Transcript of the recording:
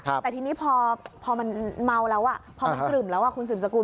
แต่ทีนี้พอมันเมาแล้วพอมันกลึ่มแล้วคุณสืบสกุ